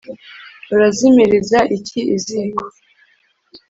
urazimiriza iki iziko’